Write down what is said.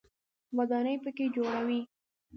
ودانۍ په کې جوړوي.